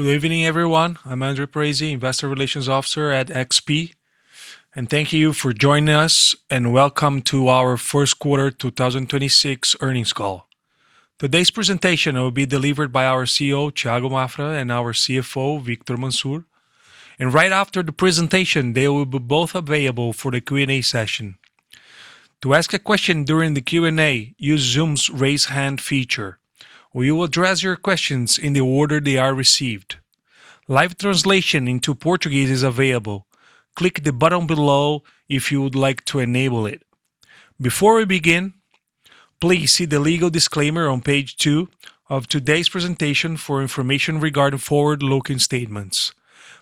Good evening, everyone. I'm André Parize, Investor Relations Officer at XP, and thank you for joining us and welcome to our first quarter 2026 earnings call. Today's presentation will be delivered by our CEO, Thiago Maffra, and our CFO, Victor Mansur. Right after the presentation, they will be both available for the Q&A session. To ask a question during the Q&A, use Zoom's raise hand feature. We will address your questions in the order they are received. Live translation into Portuguese is available. Click the button below if you would like to enable it. Before we begin, please see the legal disclaimer on page two of today's presentation for information regarding forward-looking statements.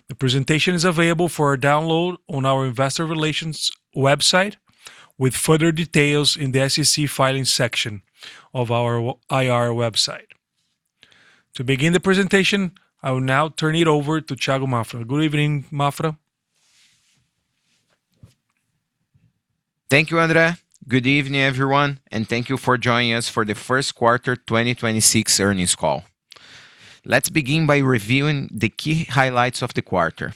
The presentation is available for a download on our investor relations website with further details in the SEC filings section of our IR website. To begin the presentation, I will now turn it over to Thiago Maffra. Good evening, Maffra. Thank you, André. Good evening, everyone, and thank you for joining us for the first quarter 2026 earnings call. Let's begin by reviewing the key highlights of the quarter.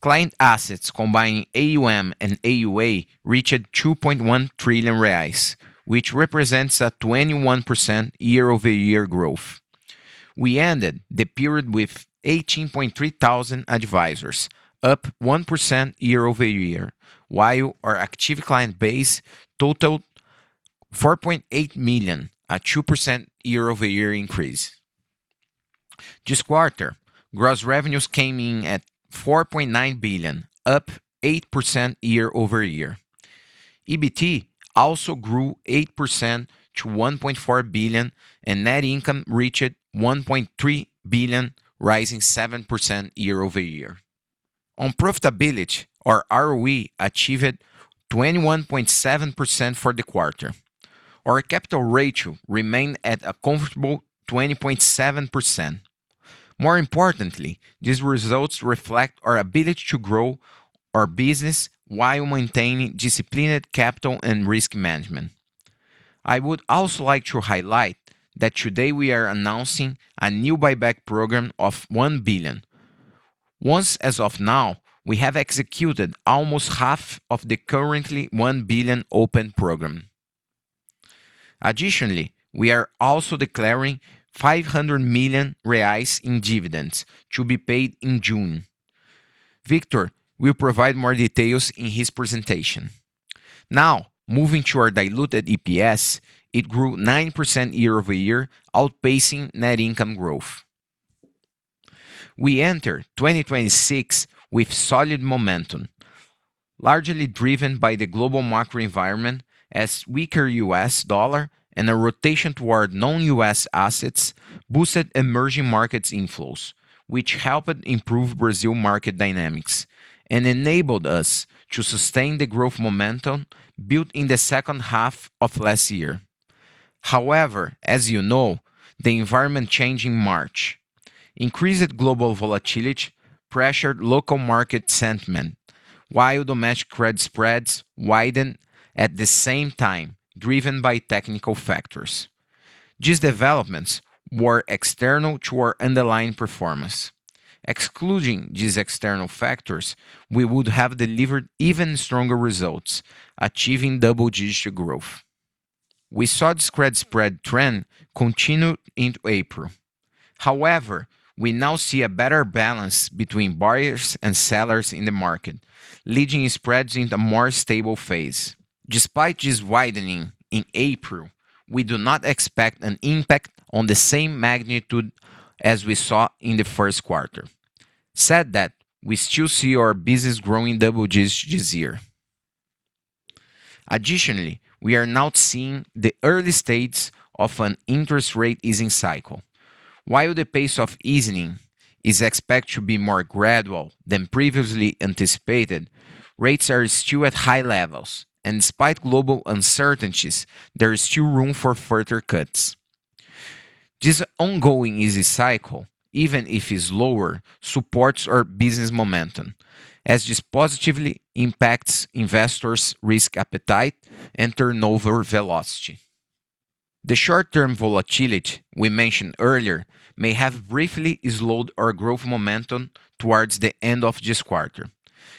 Client assets combining AUM and AUA reached 2.1 trillion reais, which represents a 21% year-over-year growth. We ended the period with 18,300 advisors, up 1% year-over-year, while our active client base totaled 4.8 million, a 2% year-over-year increase. This quarter, gross revenues came in at 4.9 billion, up 8% year-over-year. EBT also grew 8% to 1.4 billion, net income reached 1.3 billion, rising 7% year-over-year. On profitability, our ROE achieved 21.7% for the quarter. Our capital ratio remained at a comfortable 20.7%. More importantly, these results reflect our ability to grow our business while maintaining disciplined capital and risk management. I would also like to highlight that today we are announcing a new buyback program of 1 billion. Once as of now, we have executed almost half of the currently 1 billion open program. Additionally, we are also declaring 500 million reais in dividends to be paid in June. Victor will provide more details in his presentation. Moving to our diluted EPS, it grew 9% year-over-year, outpacing net income growth. We enter 2026 with solid momentum, largely driven by the global macro environment as weaker U.S. dollar and a rotation toward non-U.S. assets boosted emerging markets inflows, which helped improve Brazil market dynamics and enabled us to sustain the growth momentum built in the second half of last year. As you know, the environment changed in March. Increased global volatility pressured local market sentiment while domestic credit spreads widened at the same time, driven by technical factors. These developments were external to our underlying performance. Excluding these external factors, we would have delivered even stronger results, achieving double-digit growth. We saw this credit spread trend continue into April. We now see a better balance between buyers and sellers in the market, leading spreads into a more stable phase. Despite this widening in April, we do not expect an impact on the same magnitude as we saw in the first quarter. Said that, we still see our business growing double digits this year. We are now seeing the early stages of an interest rate easing cycle. While the pace of easing is expected to be more gradual than previously anticipated, rates are still at high levels, and despite global uncertainties, there is still room for further cuts. This ongoing easing cycle, even if it's lower, supports our business momentum, as this positively impacts investors' risk appetite and turnover velocity. The short-term volatility we mentioned earlier may have briefly slowed our growth momentum towards the end of this quarter.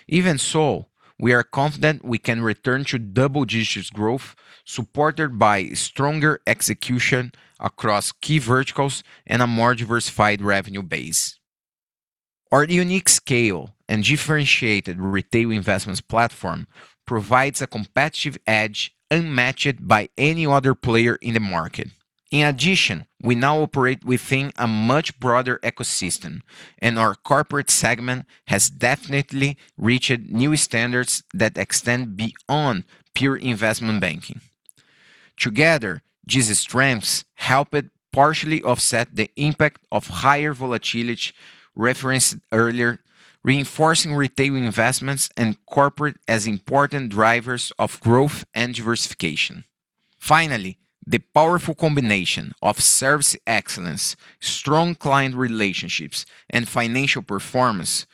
Even so, we are confident we can return to double-digit growth supported by stronger execution across key verticals and a more diversified revenue base. Our unique scale and differentiated Retail investments platform provides a competitive edge unmatched by any other player in the market. In addition, we now operate within a much broader ecosystem, and our corporate segment has definitely reached new standards that extend beyond pure investment banking. Together, these strengths helped partially offset the impact of higher volatility referenced earlier, reinforcing Retail investments and corporate as important drivers of growth and diversification. Finally, the powerful combination of service excellence, strong client relationships, and financial performance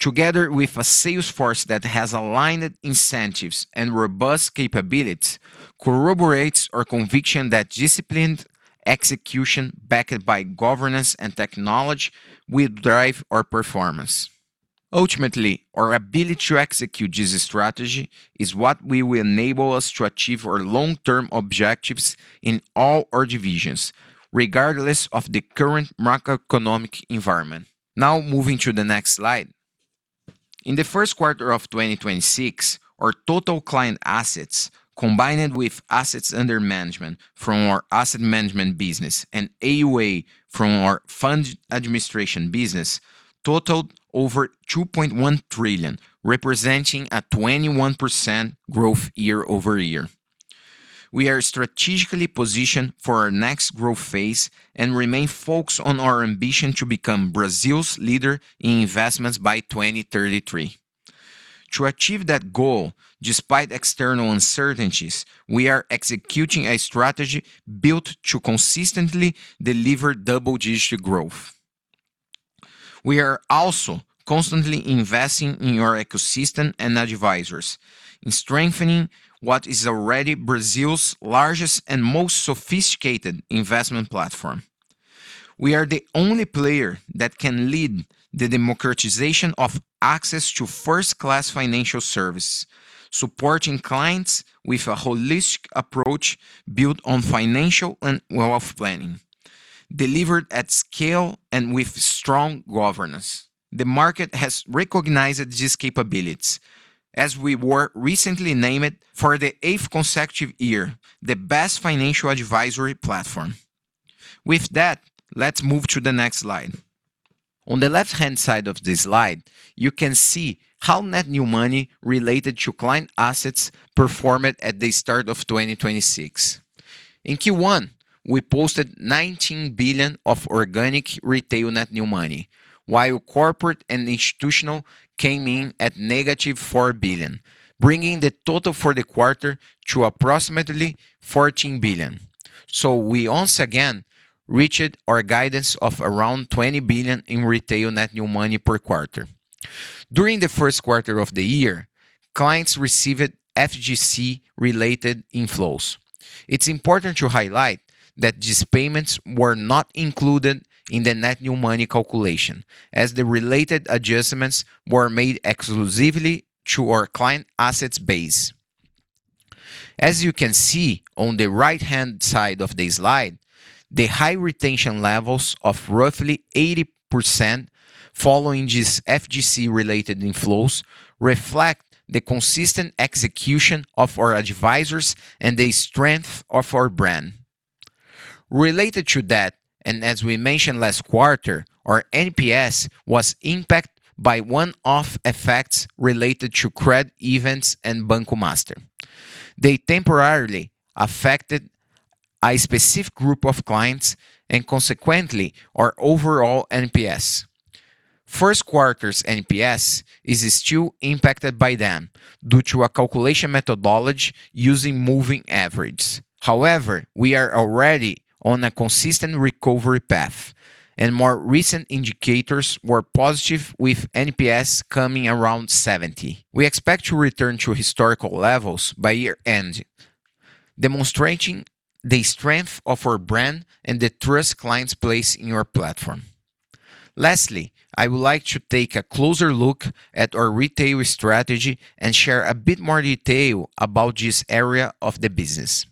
together with a sales force that has aligned incentives and robust capabilities corroborates our conviction that disciplined execution backed by governance and technology will drive our performance. Ultimately, our ability to execute this strategy is what we will enable us to achieve our long-term objectives in all our divisions, regardless of the current macroeconomic environment. Moving to the next slide. In the first quarter of 2026, our total client assets, combined with assets under management from our asset management business and AUA from our fund administration business, totaled over 2.1 trillion, representing a 21% growth year-over-year. We are strategically positioned for our next growth phase and remain focused on our ambition to become Brazil's leader in investments by 2033. To achieve that goal, despite external uncertainties, we are executing a strategy built to consistently deliver double-digit growth. We are also constantly investing in our ecosystem and advisors in strengthening what is already Brazil's largest and most sophisticated investment platform. We are the only player that can lead the democratization of access to first-class financial service, supporting clients with a holistic approach built on financial and wealth planning, delivered at scale and with strong governance. The market has recognized these capabilities as we were recently named for the eighth consecutive year the best financial advisory platform. With that, let's move to the next slide. On the left-hand side of this slide, you can see how net new money related to client assets performed at the start of 2026. In Q1, we posted 19 billion of organic Retail net new money, while corporate and institutional came in at negative 4 billion, bringing the total for the quarter to approximately 14 billion. We once again reached our guidance of around 20 billion in Retail net new money per quarter. During the first quarter of the year, clients received FGC related inflows. It's important to highlight that these payments were not included in the net new money calculation, as the related adjustments were made exclusively to our client assets base. As you can see on the right-hand side of the slide, the high retention levels of roughly 80% following these FGC related inflows reflect the consistent execution of our advisors and the strength of our brand. Related to that, and as we mentioned last quarter, our NPS was impacted by one-off effects related to credit events and Banco Master. They temporarily affected a specific group of clients and consequently our overall NPS. First quarter's NPS is still impacted by them due to a calculation methodology using moving average. We are already on a consistent recovery path, and more recent indicators were positive with NPS coming around 70. We expect to return to historical levels by year-end, demonstrating the strength of our brand and the trust clients place in our platform. Lastly, I would like to take a closer look at our Retail strategy and share a bit more detail about this area of the business.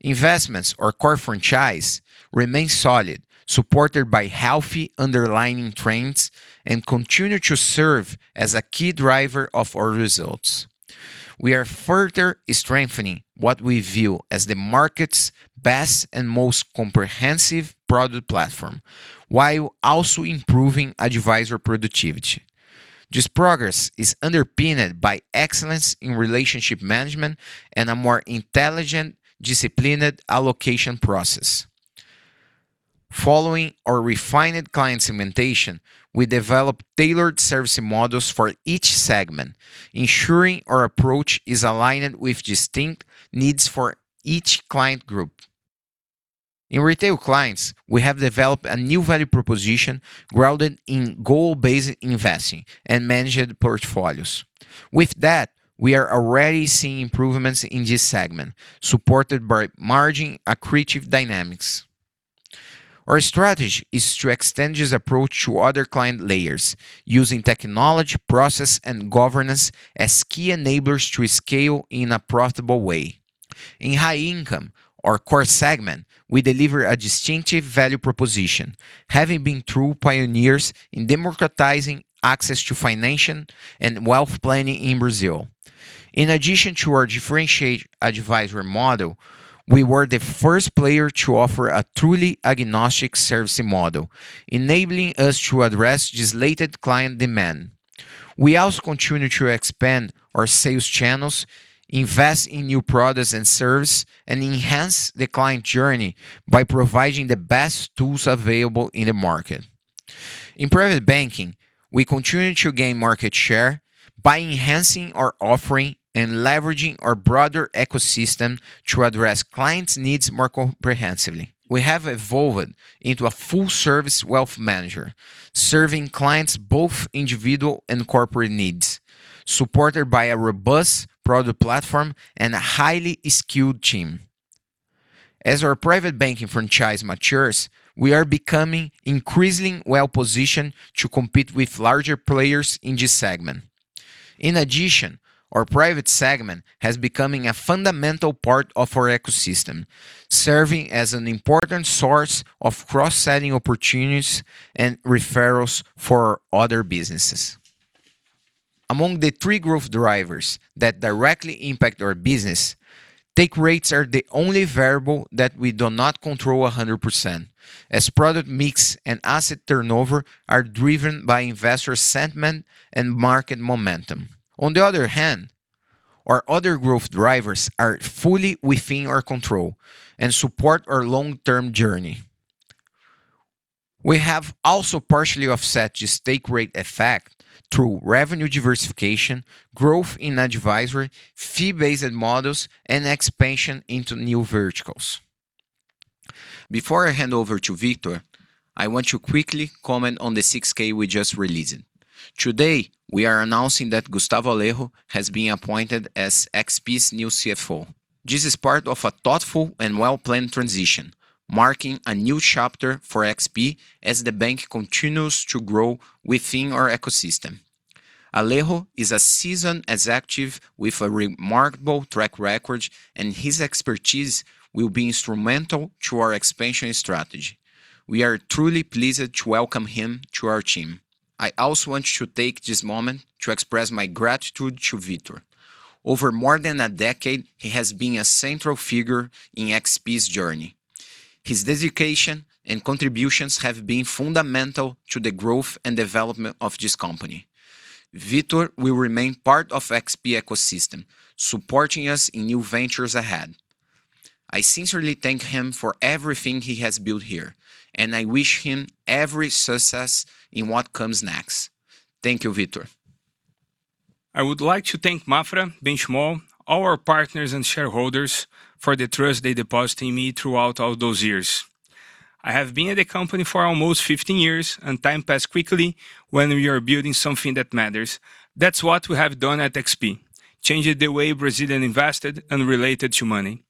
Investments or core franchise remain solid, supported by healthy underlying trends and continue to serve as a key driver of our results. We are further strengthening what we view as the market's best and most comprehensive product platform while also improving advisor productivity. This progress is underpinned by excellence in relationship management and a more intelligent, disciplined allocation process. Following our refined client segmentation, we developed tailored service models for each segment, ensuring our approach is aligned with distinct needs for each client group. In Retail clients, we have developed a new value proposition grounded in goal-based investing and managed portfolios. With that, we are already seeing improvements in this segment, supported by margin accretive dynamics. Our strategy is to extend this approach to other client layers using technology, process, and governance as key enablers to scale in a profitable way. In high income, our core segment, we deliver a distinctive value proposition, having been true pioneers in democratizing access to financial and wealth planning in Brazil. In addition to our differentiated advisory model, we were the first player to offer a truly agnostic servicing model, enabling us to address this latent client demand. We also continue to expand our sales channels, invest in new products and services, and enhance the client journey by providing the best tools available in the market. In private banking, we continue to gain market share by enhancing our offering and leveraging our broader ecosystem to address clients' needs more comprehensively. We have evolved into a full-service wealth manager, serving clients both individual and corporate needs, supported by a robust product platform and a highly skilled team. As our private banking franchise matures, we are becoming increasingly well-positioned to compete with larger players in this segment. Our private segment has become a fundamental part of our ecosystem, serving as an important source of cross-selling opportunities and referrals for our other businesses. Among the three growth drivers that directly impact our business, take rates are the only variable that we do not control 100%, as product mix and asset turnover are driven by investor sentiment and market momentum. Our other growth drivers are fully within our control and support our long-term journey. We have also partially offset the take rate effect through revenue diversification, growth in advisory, fee-based models, and expansion into new verticals. Before I hand over to Victor, I want to quickly comment on the 6-K we just released. Today, we are announcing that Gustavo Alejo has been appointed as XP's new CFO. This is part of a thoughtful and well-planned transition, marking a new chapter for XP as the bank continues to grow within our ecosystem. Alejo is a seasoned executive with a remarkable track record, and his expertise will be instrumental to our expansion strategy. We are truly pleased to welcome him to our team. I also want to take this moment to express my gratitude to Victor. Over more than a decade, he has been a central figure in XP's journey. His dedication and contributions have been fundamental to the growth and development of this company. Victor will remain part of XP ecosystem, supporting us in new ventures ahead. I sincerely thank him for everything he has built here, and I wish him every success in what comes next. Thank you. Victor. I would like to thank Maffra, Benchimol, all our partners and shareholders for the trust they deposit in me throughout all those years. I have been at the company for almost 15 years, and time passed quickly when we are building something that matters. That's what we have done at XP, changed the way Brazilian invested and related to money.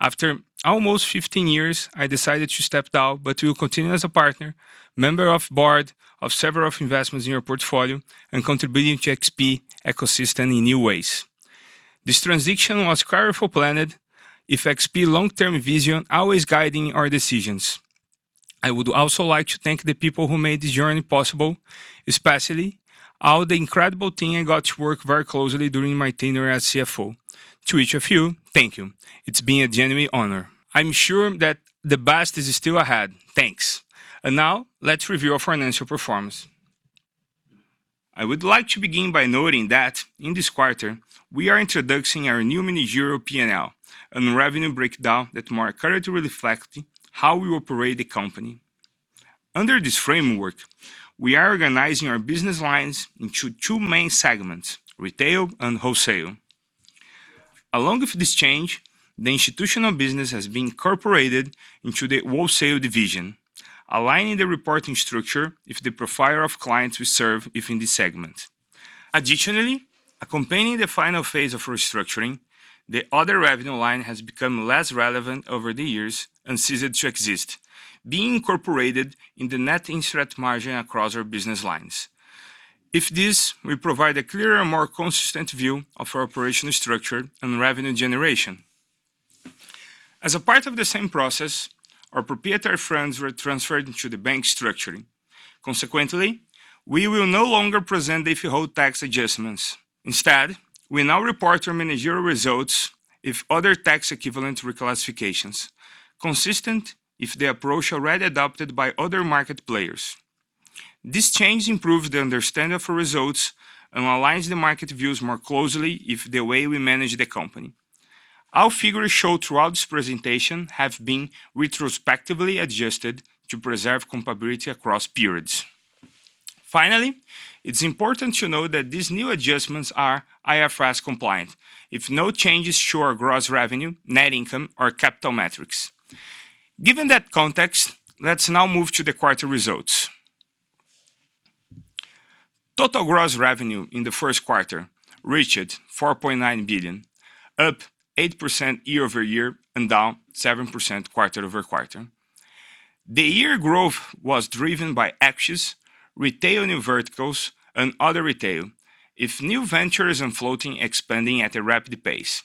After almost 15 years, I decided to step out, but to continue as a partner, member of board of several of investments in your portfolio and contributing to XP ecosystem in new ways. This transition was carefully planned if XP long-term vision always guiding our decisions. I would also like to thank the people who made this journey possible, especially all the incredible team I got to work very closely during my tenure as CFO. To each of you, thank you. It's been a genuine honor. I'm sure that the best is still ahead. Thanks. Now let's review our financial performance. I would like to begin by noting that in this quarter, we are introducing our new managerial P&L and revenue breakdown that more accurately reflect how we operate the company. Under this framework, we are organizing our business lines into two main segments, Retail and Wholesale. Along with this change, the institutional business has been incorporated into the Wholesale division, aligning the reporting structure with the profile of clients we serve in this segment. Additionally, accompanying the final phase of restructuring, the other revenue line has become less relevant over the years and ceases to exist, being incorporated in the net interest margin across our business lines. With this, we provide a clearer and more consistent view of our operational structure and revenue generation. As a part of the same process, our proprietary funds were transferred into the bank structuring. Consequently, we will no longer present the withhold tax adjustments. Instead, we now report our managerial results with other tax equivalent reclassifications consistent with the approach already adopted by other market players. This change improves the understanding of results and aligns the market views more closely with the way we manage the company. Our figures show throughout this presentation have been retrospectively adjusted to preserve comparability across periods. It's important to note that these new adjustments are IFRS compliant with no changes to our gross revenue, net income or capital metrics. Given that context, let's now move to the quarter results. Total gross revenue in the first quarter reached 4.9 billion, up 8% year-over-year and down 7% quarter-over-quarter. The year growth was driven by actions, Retail new verticals and other retail if new ventures and floating expanding at a rapid pace.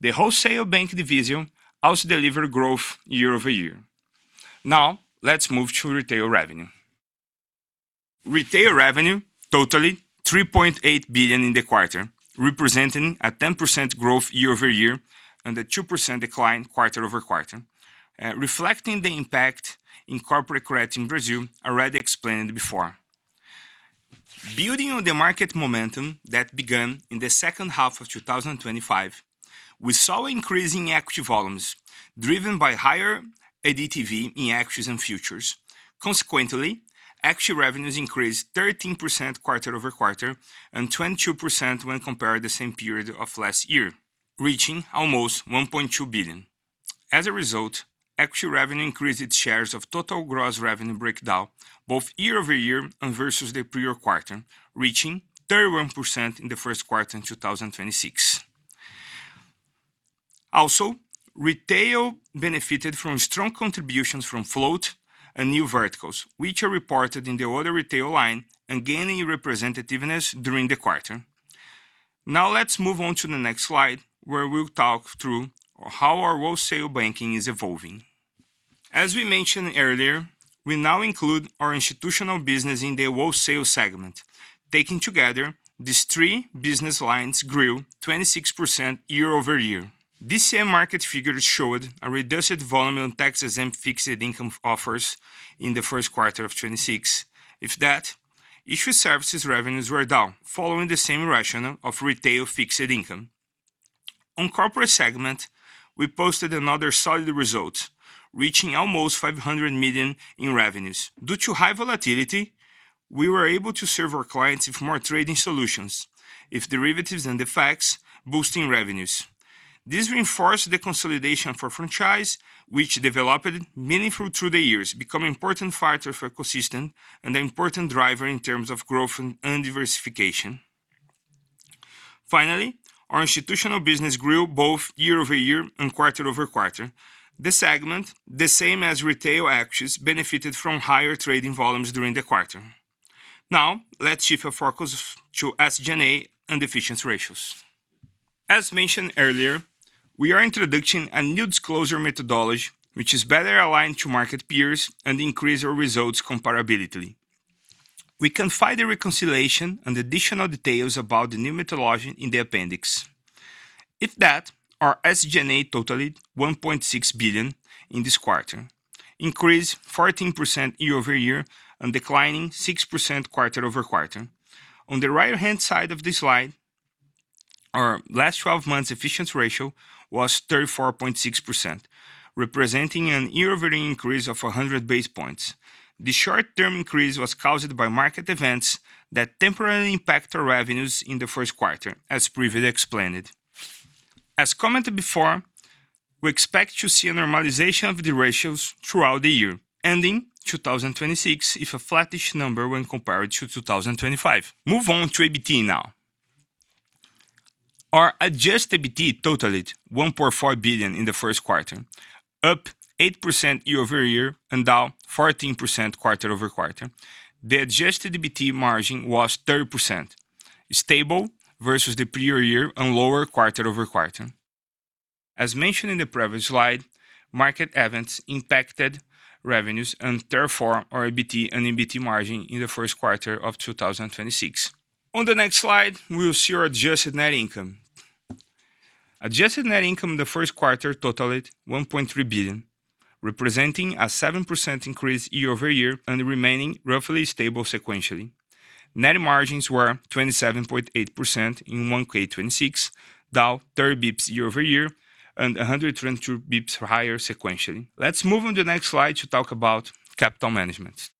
The Wholesale bank division also delivered growth year-over-year. Let's move to Retail revenue. Retail revenue totaling 3.8 billion in the quarter, representing a 10% growth year-over-year and a 2% decline quarter-over-quarter, reflecting the impact in corporate credit in Brazil already explained before. Building on the market momentum that began in the second half of 2025, we saw increasing equity volumes driven by higher ADTV in equities and futures. Consequently, equity revenues increased 13% quarter-over-quarter and 22% when compared to the same period of last year, reaching almost 1.2 billion. As a result, equity revenue increased its shares of total gross revenue breakdown both year-over-year and versus the prior quarter, reaching 31% in the first quarter of 2026. Also, Retail benefited from strong contributions from float and new verticals, which are reported in the other retail line and gaining representativeness during the quarter. Now let's move on to the next slide, where we'll talk through how our Wholesale banking is evolving. As we mentioned earlier, we now include our institutional business in the Wholesale segment. Taken together, these three business lines grew 26% year-over-year. This same market figures showed a reduced volume on tax-exempt fixed income offers in the first quarter of 2026. If that, issue services revenues were down following the same rationale of Retail fixed income. On corporate segment, we posted another solid result, reaching almost 500 million in revenues. Due to high volatility, we were able to serve our clients with more trading solutions, with derivatives and FX boosting revenues. This reinforced the consolidation for franchise, which developed meaningful through the years, become important factor for ecosystem and an important driver in terms of growth and diversification. Finally, our institutional business grew both year-over-year and quarter-over-quarter. This segment, the same as Retail equities, benefited from higher trading volumes during the quarter. Let's shift our focus to SG&A and efficient ratios. As mentioned earlier, we are introducing a new disclosure methodology, which is better aligned to market peers and increase our results comparability. We can find the reconciliation and additional details about the new methodology in the appendix. Our SG&A totaled 1.6 billion in this quarter, increased 14% year-over-year and declining 6% quarter-over-quarter. On the right-hand side of this slide, our last 12 months efficient ratio was 34.6%, representing a year-over-year increase of 100 basis points. The short-term increase was caused by market events that temporarily impact our revenues in the first quarter, as previously explained. As commented before, we expect to see a normalization of the ratios throughout the year, ending 2026 with a flattish number when compared to 2025. Move on to EBT now. Our adjusted EBT totaled 1.4 billion in the first quarter, up 8% year-over-year and down 14% quarter-over-quarter. The adjusted EBT margin was 30%, stable versus the prior year and lower quarter-over-quarter. As mentioned in the previous slide, market events impacted revenues and therefore our EBT and NBT margin in the first quarter of 2026. On the next slide, we'll see our adjusted net income. Adjusted net income in the first quarter totaled 1.3 billion, representing a 7% increase year-over-year and remaining roughly stable sequentially. Net margins were 27.8% in 1Q 2026, down 30 basis points year-over-year and 122 basis points higher sequentially. Let's move on to the next slide to talk about capital management.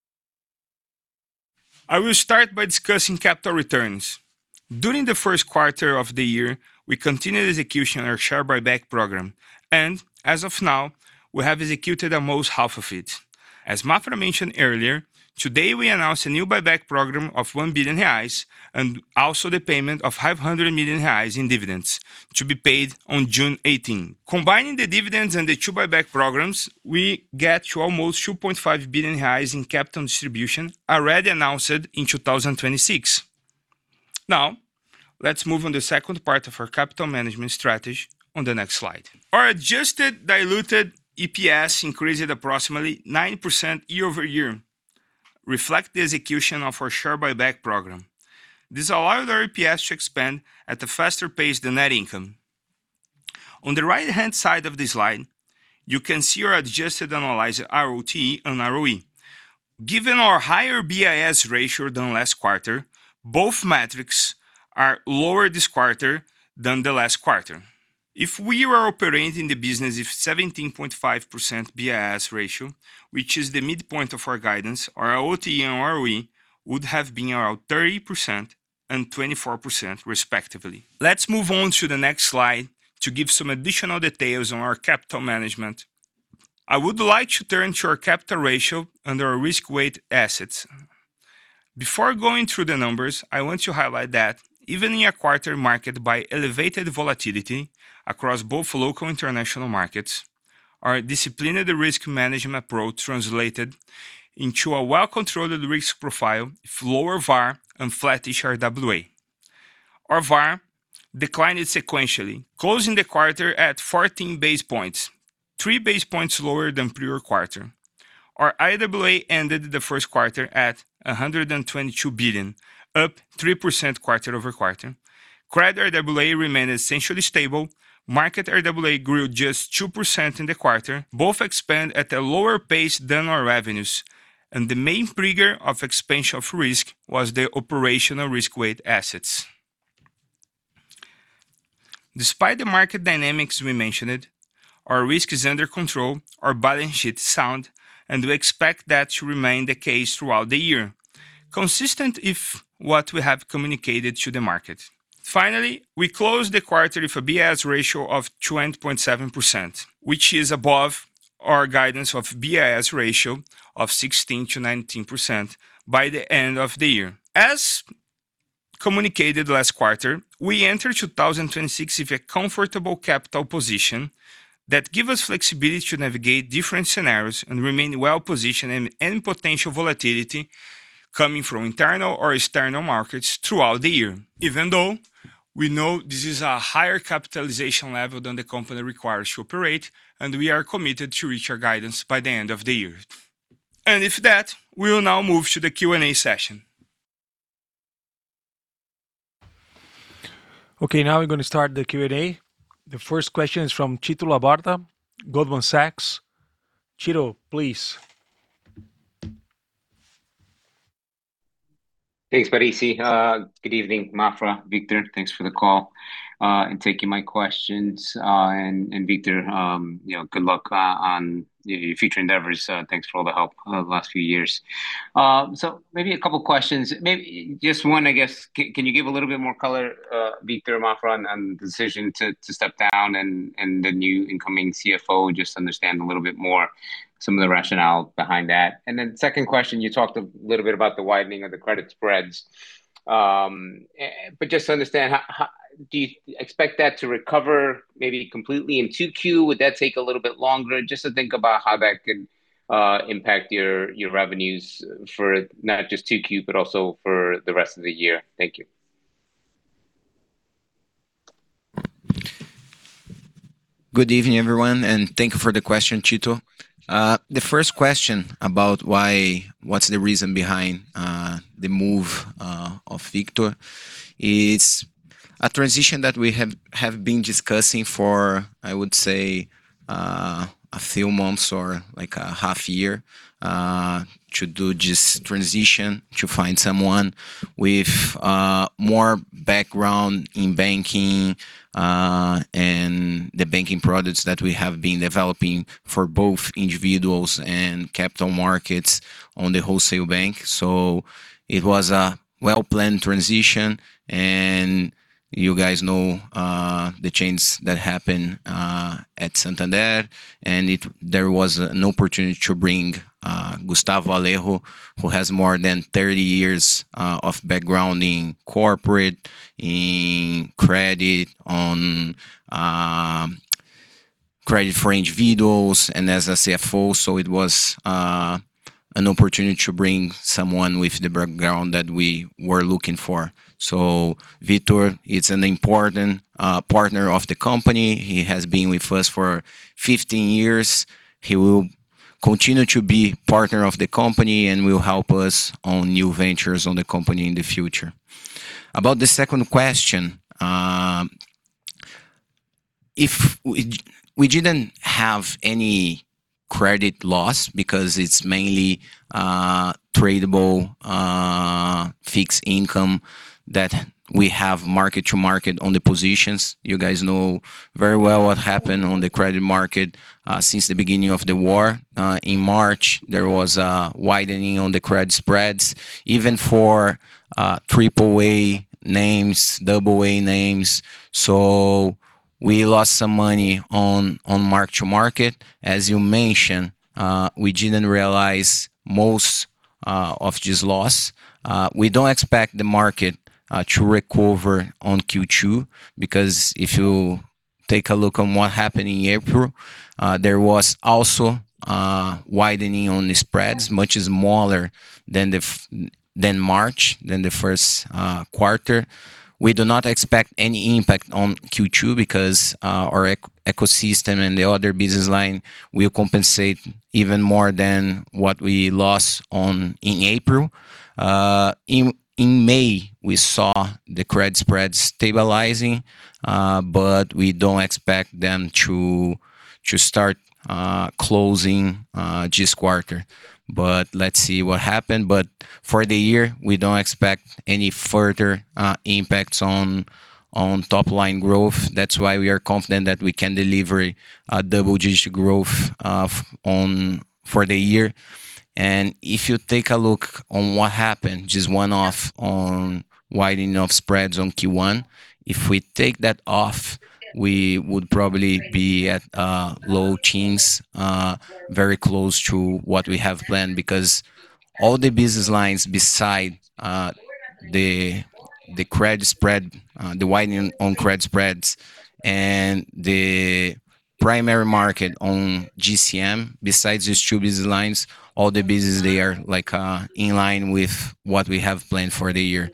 I will start by discussing capital returns. During the first quarter of the year, we continued execution our share buyback program, and as of now, we have executed almost half of it. As Maffra mentioned earlier, today we announced a new buyback program of 1 billion reais and also the payment of 500 million reais in dividends to be paid on June 18. Combining the dividends and the two buyback programs, we get to almost 2.5 billion reais in capital distribution already announced in 2026. Now, let's move on the second part of our capital management strategy on the next slide. Our adjusted diluted EPS increased approximately 9% year-over-year, reflect the execution of our share buyback program. This allowed our EPS to expand at a faster pace than net income. On the right-hand side of this slide, you can see our adjusted annualized ROTE and ROE. Given our higher BIS ratio than last quarter, both metrics are lower this quarter than the last quarter. If we were operating the business with 17.5% BIS ratio, which is the midpoint of our guidance, our ROTE and ROE would have been around 30% and 24% respectively. Let's move on to the next slide to give some additional details on our capital management. I would like to turn to our capital ratio under our risk-weight assets. Before going through the numbers, I want to highlight that even in a quarter marked by elevated volatility across both local and international markets, our disciplined risk management approach translated into a well-controlled risk profile with lower VaR and flat HRWA. Our VaR declined sequentially, closing the quarter at 14 basis points, 3 basis points lower than prior quarter. Our RWA ended the first quarter at 122 billion, up 3% quarter-over-quarter. Credit RWA remained essentially stable. Market RWA grew just 2% in the quarter, both expand at a lower pace than our revenues. The main trigger of expansion of risk was the operational Risk-Weighted Assets. Despite the market dynamics we mentioned, our risk is under control, our balance sheet is sound, and we expect that to remain the case throughout the year, consistent with what we have communicated to the market. Finally, we closed the quarter with a BIS ratio of 20.7%, which is above our guidance of BIS ratio of 16%-19% by the end of the year. As communicated last quarter, we enter 2026 with a comfortable capital position that gives us flexibility to navigate different scenarios and remain well-positioned in any potential volatility coming from internal or external markets throughout the year. Even though we know this is a higher capitalization level than the company requires to operate, we are committed to reach our guidance by the end of the year. With that, we will now move to the Q&A session. Okay. Now we're going to start the Q&A. The first question is from Tito Labarta, Goldman Sachs. Tito, please. Thanks, Parize. Good evening, Maffra, Victor. Thanks for the call and taking my questions. Victor, you know, good luck on your future endeavors, thanks for all the help the last few years. Maybe a couple questions. Just one, I guess. Can you give a little bit more color, Victor, Maffra on the decision to step down and the new incoming CFO, just to understand a little bit more some of the rationale behind that. Second question, you talked a little bit about the widening of the credit spreads. Just to understand, how do you expect that to recover maybe completely in 2Q? Would that take a little bit longer? Just to think about how that could impact your revenues for not just 2Q, but also for the rest of the year. Thank you. Good evening, everyone, and thank you for the question, Tito Labarta. The first question about why, what's the reason behind the move of Victor, is a transition that we have been discussing for, I would say, a few months or like a half year, to do this transition to find someone with more background in banking and the banking products that we have been developing for both individuals and capital markets on the Wholesale bank. It was a well-planned transition, and you guys know the change that happened at Santander. There was an opportunity to bring Gustavo Alejo Viviani, who has more than 30 years of background in corporate, in credit on credit for individuals and as a CFO. It was an opportunity to bring someone with the background that we were looking for. Victor is an important partner of the company. He has been with us for 15 years. He will continue to be partner of the company and will help us on new ventures on the company in the future. About the second question, We didn't have any credit loss because it's mainly tradable fixed income that we have mark-to-market on the positions. You guys know very well what happened on the credit market since the beginning of the war. In March, there was a widening on the credit spreads, even for triple-A names, double-A names. We lost some money on mark-to-market. As you mentioned, we didn't realize most of this loss. We don't expect the market to recover on Q2, because if you take a look on what happened in April, there was also a widening on the spreads, much smaller than March, than the first quarter. We do not expect any impact on Q2 because our ecosystem and the other business line will compensate even more than what we lost in April. In May, we saw the credit spread stabilizing, but we don't expect them to start closing this quarter. Let's see what happen. For the year, we don't expect any further impacts on top line growth. That's why we are confident that we can deliver a double-digit growth for the year. If you take a look on what happened, just one-off on widening of spreads on Q1. If we take that off, we would probably be at low teens, very close to what we have planned because all the business lines beside the credit spread, the widening on credit spreads and the primary market on DCM, besides these two business lines, all the business, they are like in line with what we have planned for the year.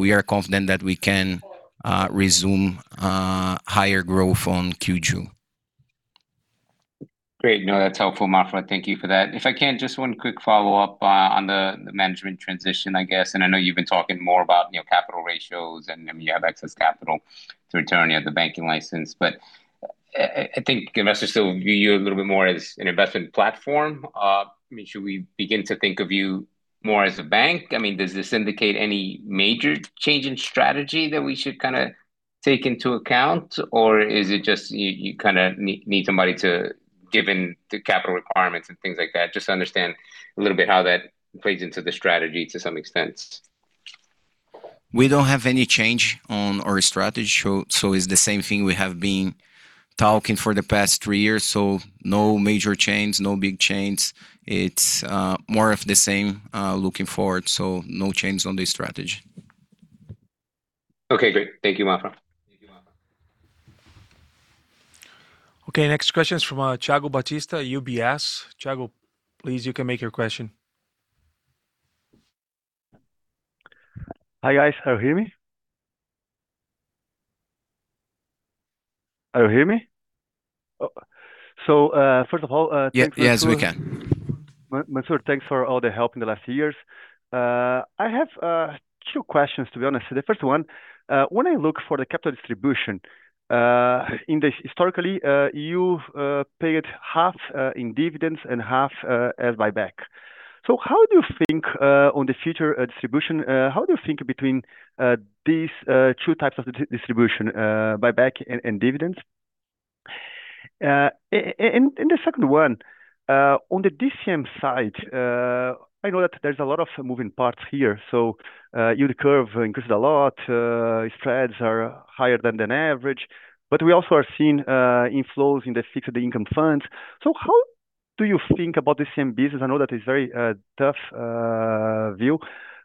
We are confident that we can resume higher growth on Q2. Great. No, that's helpful, Maffra. Thank you for that. If I can, just one quick follow-up on the management transition, I guess. I know you've been talking more about, you know, capital ratios and, I mean, you have excess capital to return. You have the banking license. I think investors still view you a little bit more as an investment platform. I mean, should we begin to think of you more as a bank? I mean, does this indicate any major change in strategy that we should kinda take into account? Is it just you kinda need somebody to given the capital requirements and things like that, just to understand a little bit how that plays into the strategy to some extent? We don't have any change on our strategy. It's the same thing we have been talking for the past three years. No major change, no big change. It's more of the same looking forward, so no change on the strategy. Okay, great. Thank you, Maffra. Okay, next question is from Thiago Batista, UBS. Thiago, please, you can make your question. Hi, guys. Can you hear me? Oh. First of all, thanks for- yes, we can. Mansur, thanks for all the help in the last years. I have two questions, to be honest. The first one, when I look for the capital distribution, in this historically, you've paid half in dividends and half as buyback. How do you think on the future distribution? How do you think between these two types of distribution, buyback and dividends? And the second one, on the DCM side, I know that there's a lot of moving parts here, yield curve increased a lot, spreads are higher than an average. We also are seeing inflows in the fixed income funds. How do you think about the same business? I know that is very tough view,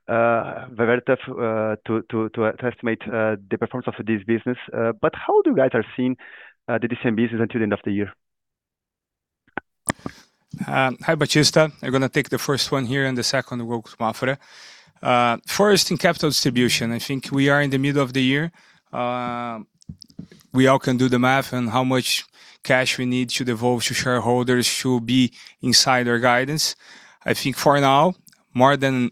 very tough to estimate the performance of this business. How do you guys are seeing the same business until the end of the year? Hi, Batista. I'm gonna take the first one here and the second goes to Maffra. First in capital distribution, I think we are in the middle of the year. We all can do the math on how much cash we need to devote to shareholders should be inside our guidance. I think for now, more than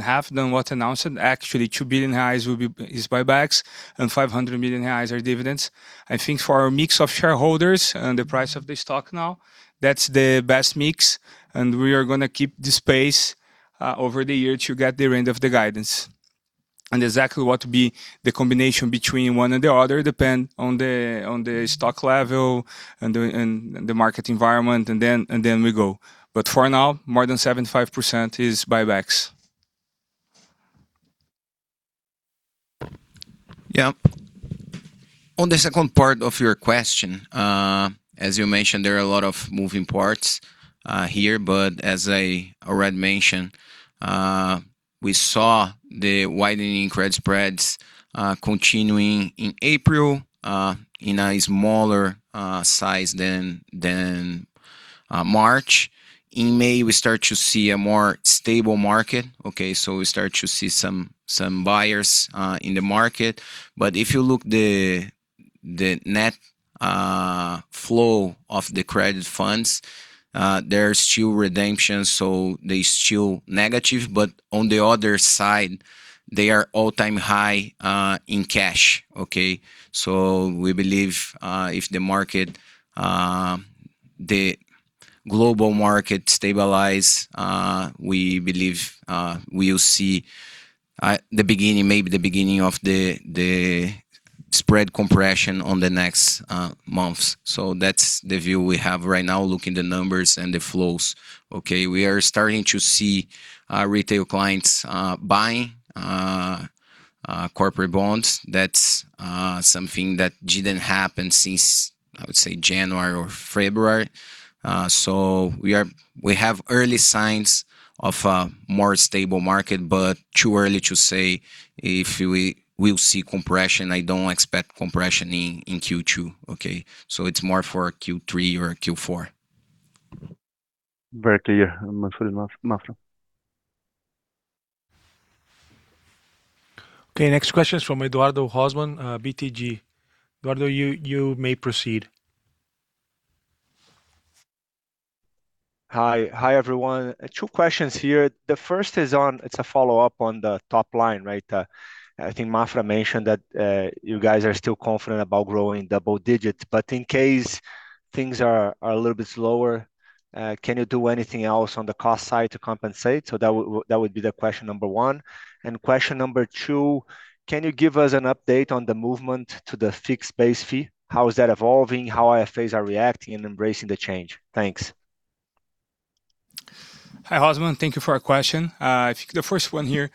half than what announced, actually 2 billion reais is buybacks and 500 million reais are dividends. I think for our mix of shareholders and the price of the stock now, that's the best mix, and we are gonna keep the space over the year to get the end of the guidance. Exactly what will be the combination between one and the other depend on the stock level and the market environment, and then we go. For now, more than 75% is buybacks. Yeah. On the second part of your question, as you mentioned, there are a lot of moving parts here, but as I already mentioned, we saw the widening credit spreads continuing in April, in a smaller size than March. In May, we start to see a more stable market. Okay, we start to see some buyers in the market. If you look the net flow of the credit funds, there's still redemptions, so they're still negative. On the other side, they are all-time high in cash. Okay? We believe if the market, the global market stabilize, we believe we'll see the beginning, maybe the beginning of the spread compression on the next months. That's the view we have right now looking the numbers and the flows. Okay. We are starting to see our Retail clients buying corporate bonds. That's something that didn't happen since, I would say, January or February. We have early signs of a more stable market, but too early to say if we will see compression. I don't expect compression in Q2, okay? It's more for Q3 or Q4. Very clear. Mansur and Maffra. Okay. Next question is from Eduardo Rosman, BTG. Eduardo, you may proceed. Hi. Hi, everyone. Two questions here. The first is on, it's a follow-up on the top line, right? I think Maffra mentioned that you guys are still confident about growing double digits. In case things are a little bit slower, can you do anything else on the cost side to compensate? That would be the question number one. Question number two, can you give us an update on the movement to the fixed base fee? How is that evolving? How IFAs are reacting and embracing the change? Thanks. Hi, Rosman. Thank you for your question. I think the first one here,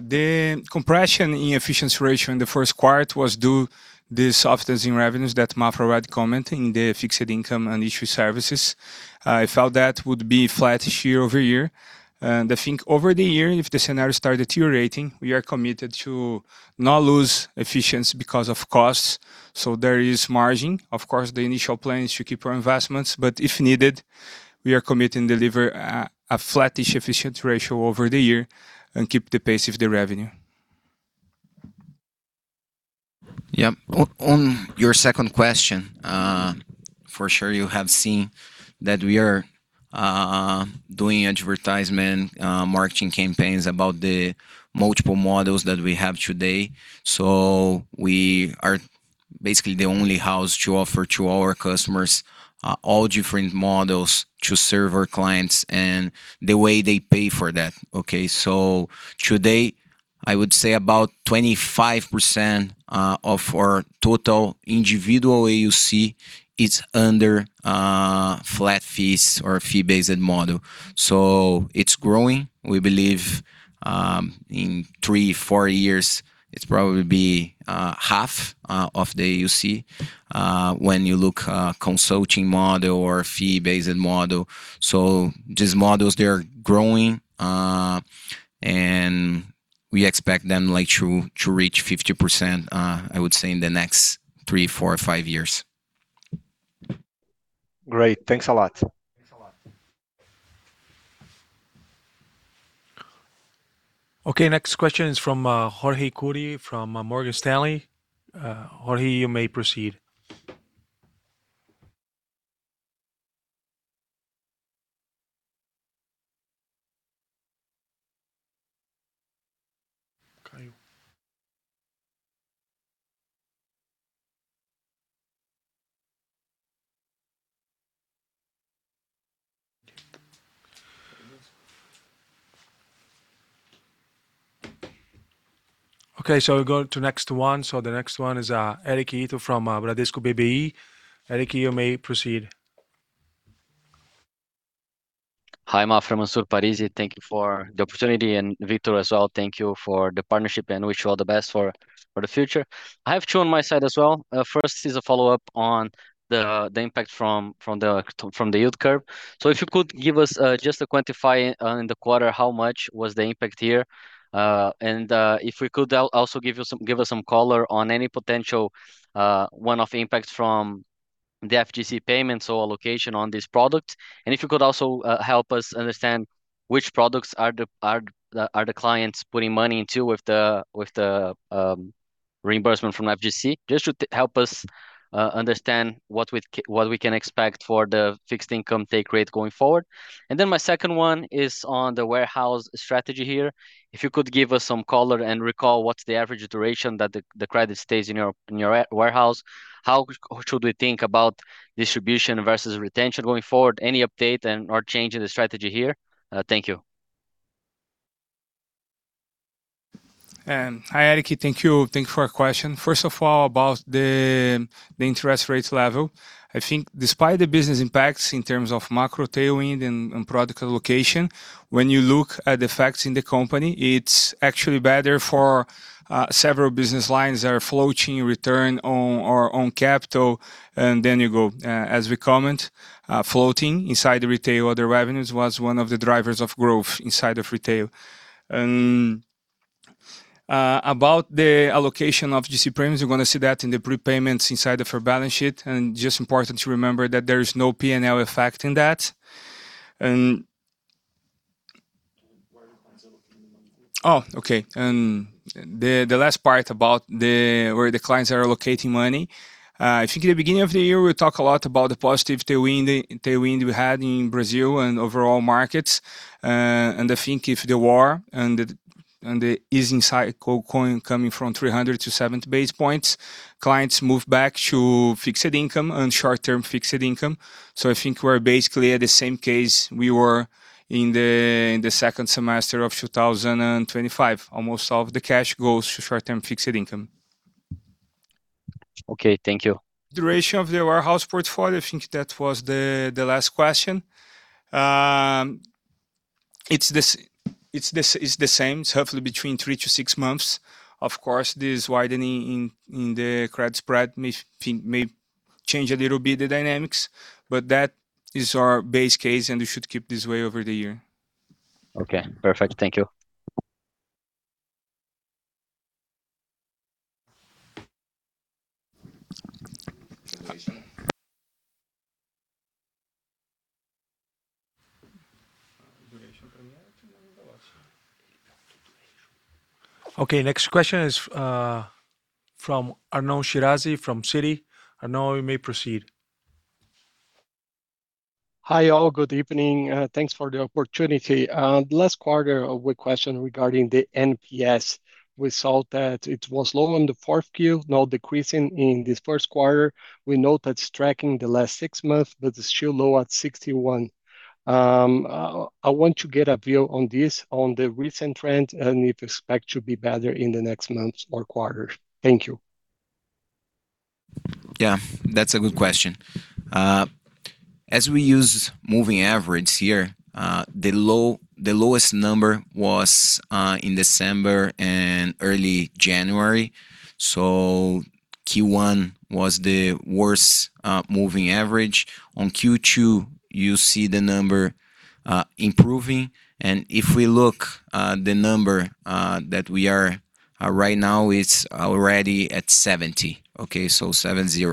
the compression in efficiency ratio in the first quarter was due this softness in revenues that Maffra was commenting, the fixed income and issue services. I felt that would be flattish year-over-year. I think over the year, if the scenario start deteriorating, we are committed to not lose efficiency because of costs, so there is margin. Of course, the initial plan is to keep our investments, but if needed, we are committed to deliver a flattish efficiency ratio over the year and keep the pace of the revenue. On your second question, For sure you have seen that we are doing advertisement, marketing campaigns about the multiple models that we have today. We are basically the only house to offer to our customers all different models to serve our clients and the way they pay for that. Okay. Today, I would say about 25% of our total individual AUC is under flat fees or fee-based model. It's growing. We believe, in three, four years it's probably be half of the AUC when you look consulting model or fee-based model. These models, they are growing, and we expect them like to reach 50% I would say in the next three, four, five years. Great. Thanks a lot. Thanks a lot. Next question is from Jorge Kuri from Morgan Stanley. Jorge, you may proceed. We go to next one. The next one is Eric Ito from Bradesco BBI. Eric, you may proceed. Hi, Maffra, Mansur, Parize, thank you for the opportunity, and Victor as well, thank you for the partnership and wish you all the best for the future. I have two on my side as well. First is a follow-up on the impact from the yield curve. If you could give us just to quantify in the quarter how much was the impact here. If we could also give us some color on any potential one-off impacts from the FGC payments or allocation on this product. If you could also help us understand which products are the clients putting money into with the reimbursement from FGC, just to help us understand what we can expect for the fixed income take rate going forward. My second one is on the warehouse strategy here. If you could give us some color and recall what's the average duration that the credit stays in your warehouse. How should we think about distribution versus retention going forward? Any update and/or change in the strategy here? Thank you. Hi, Eric. Thank you. Thank you for your question. First of all, about the interest rates level. I think despite the business impacts in terms of macro tailwind and product allocation, when you look at the facts in the company, it's actually better for several business lines that are floating return on our own capital. You go, as we comment, floating inside the Retail, other revenues was one of the drivers of growth inside of Retail. About the allocation of FGC premiums, you're gonna see that in the prepayments inside of our balance sheet, just important to remember that there is no P&L effect in that. Where the clients are allocating the money. Oh, okay. The last part about where the clients are allocating money. I think at the beginning of the year, we talk a lot about the positive tailwind we had in Brazil and overall markets. I think if the war and the easing cycle coming from 300-70 basis points, clients move back to fixed income and short-term fixed income. I think we're basically at the same case we were in the second semester of two thousand and twenty-five. Almost all of the cash goes to short-term fixed income. Okay. Thank you. Duration of the warehouse portfolio, I think that was the last question. It's the same. It's roughly between three to six months. Of course, this widening in the credit spread may change a little bit the dynamics, but that is our base case, and we should keep this way over the year. Okay. Perfect. Thank you. Duration. Okay, next question is from Arnon Shirazi from Citi. Arnon, you may proceed. Hi, all. Good evening. Thanks for the opportunity. The last quarter, a quick question regarding the NPS. We saw that it was low on the fourth Q, now decreasing in this first quarter. We know that's tracking the last six months, but it's still low at 61. I want to get a view on this, on the recent trend and if you expect to be better in the next months or quarters. Thank you. Yeah, that's a good question. As we use moving average here, the lowest number was in December and early January. Q1 was the worst moving average. On Q2, you see the number improving. If we look, the number that we are right now is already at 70. Okay, 70.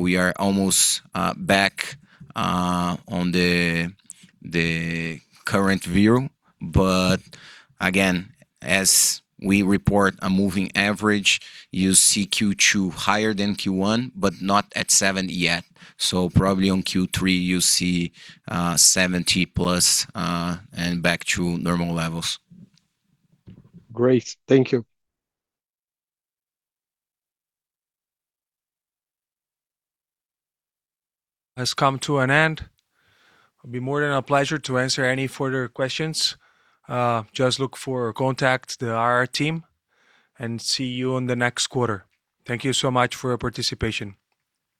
We are almost back on the current view. Again, as we report a moving average, you see Q2 higher than Q1, but not at 70 yet. Probably on Q3, you see 70 plus and back to normal levels. Great. Thank you. Has come to an end. It'll be more than a pleasure to answer any further questions. Just look for contact the IR team and see you on the next quarter. Thank you so much for your participation.